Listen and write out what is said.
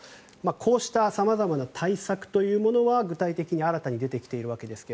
こうした様々な対策というものは具体的に新たに出てきているわけですが。